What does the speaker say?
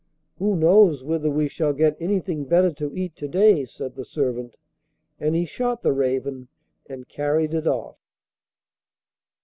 'Who knows whether we shall get anything better to eat to day!' said the servant, and he shot the raven and carried it off.